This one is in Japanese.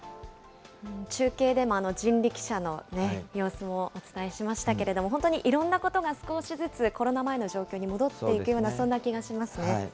中継でも人力車の様子もお伝えしましたけれども、本当にいろんなことが少しずつ、コロナ前の状況に戻っていくような、そんな気がしますね。